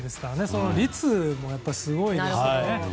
その率もすごいですよね。